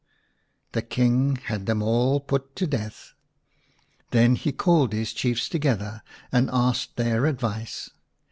The King had them all put to death. Then he //called his Chiefs together and asked their advice.